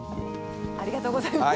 ありがとうございます。